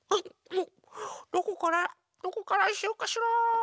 どこからどこからしようかしら。